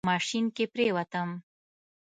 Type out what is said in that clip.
ماشين کې پرېوتم.